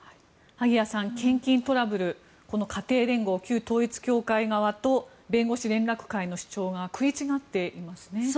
萩谷さん、献金トラブルこの家庭連合、旧統一教会側と弁護士連絡会の主張が食い違っていますね。